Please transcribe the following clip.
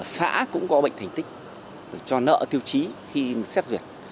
xã cũng có bệnh thành tích cho nợ tiêu chí khi xét duyệt